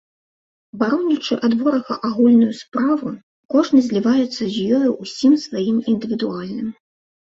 Баронячы ад ворага агульную справу, кожны зліваецца з ёю ўсім сваім індывідуальным.